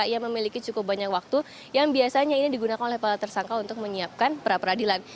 ia memiliki cukup banyak waktu yang biasanya ini digunakan oleh para tersangka untuk menyiapkan perapradilan